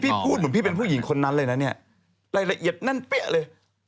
พูดเหมือนพี่เป็นผู้หญิงคนนั้นเลยนะเนี่ยรายละเอียดแน่นเปี้ยเลย